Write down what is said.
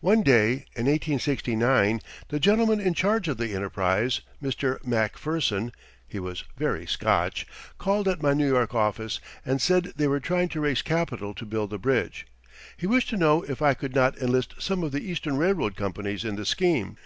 One day in 1869 the gentleman in charge of the enterprise, Mr. Macpherson (he was very Scotch), called at my New York office and said they were trying to raise capital to build the bridge. He wished to know if I could not enlist some of the Eastern railroad companies in the scheme.